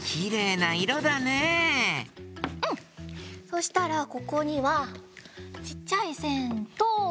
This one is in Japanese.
そしたらここにはちっちゃいせんと。